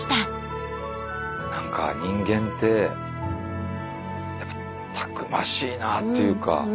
何か人間ってやっぱたくましいなっていうか。